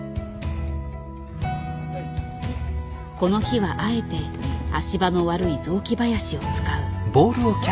この日はあえて足場の悪い雑木林を使う。